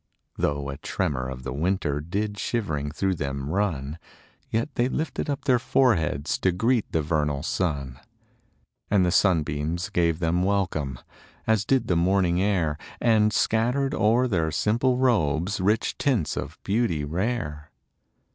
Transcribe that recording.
5 Though a tremor of the winter Did shivering through them run; Yet they lifted up their foreheads To greet the vernal sun. And the sunbeams gave them welcome. As did the morning air And scattered o'er their simple robes Rich tints of beauty rare.